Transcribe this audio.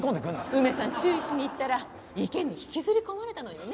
梅さん注意しに行ったら池に引きずり込まれたのよね？